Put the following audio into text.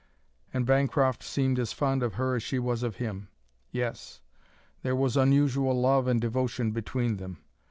And Bancroft seemed as fond of her as she was of him. Yes; there was unusual love and devotion between them.